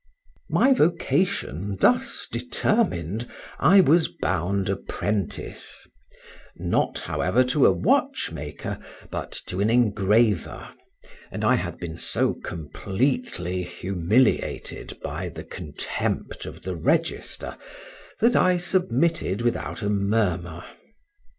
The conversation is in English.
My vocation thus determined, I was bound apprentice; not, however, to a watchmaker, but to an engraver, and I had been so completely humiliated by the contempt of the register, that I submitted without a murmur.